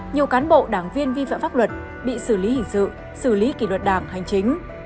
nhiều cán bộ đảng viên vi phạm pháp luật bị xử lý hình sự xử lý kỷ luật đảng hành chính